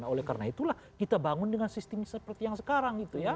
oleh karena itulah kita bangun dengan sistem seperti yang sekarang